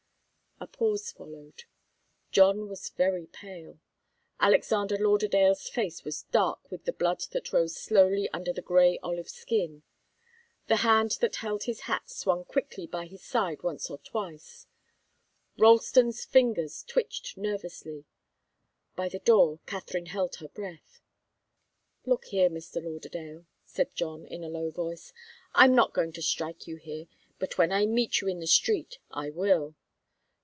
A pause followed. John was very pale. Alexander Lauderdale's face was dark with the blood that rose slowly under the grey olive skin. The hand that held his hat swung quickly by his side once or twice. Ralston's fingers twitched nervously. By the door, Katharine held her breath. "Look here, Mr. Lauderdale," said John, in a low voice. "I'm not going to strike you here, but when I meet you in the street I will."